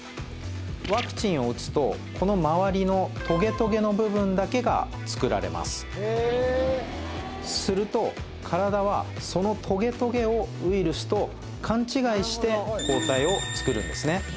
ワクチンを打つとこの周りのトゲトゲの部分だけがつくられますすると体はそのトゲトゲをウイルスと勘違いして抗体をつくるんですね